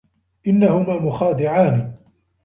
إنّهما مخادعان.